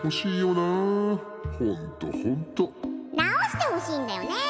「なおしてほしいんだよね」。